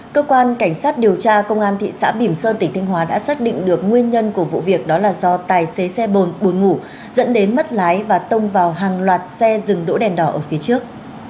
cơ quan cảnh sát điều tra công an thị xã bỉm sơn tỉnh thanh hóa đã xác định được nguyên nhân của vụ việc đó là do tài xế xe bồn bùi ngủ dẫn đến mất lái và tông vào hàng loạt xe dừng đỗ đèn đỏ ở phía trước